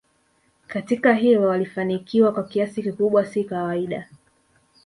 katika hilo alifanikiwa kwa kiasi kikubwa si kawaida